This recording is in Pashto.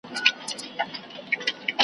د بادار په اشاره پرې کړي سرونه .